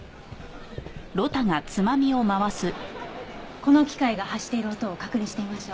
この機械が発している音を確認してみましょう。